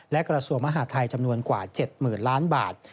และกระทรวงมหาดไทยจำนวนกว่า๗๐๐๐ล้านบาท